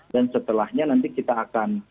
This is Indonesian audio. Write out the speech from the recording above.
setelahnya nanti kita akan